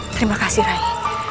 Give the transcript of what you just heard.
terima kasih ray